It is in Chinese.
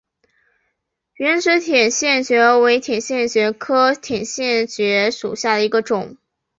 圆齿铁线蕨为铁线蕨科铁线蕨属下的一个种。